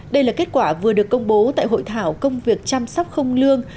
đây là kết quả vừa được công bố tại hội thảo công việc chăm sóc không lương